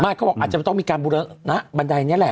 ไม่เขาอาจจะต้องมีการบุรณะบันไดเนี่ยแหละ